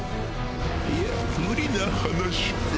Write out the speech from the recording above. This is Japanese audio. いや無理な話か。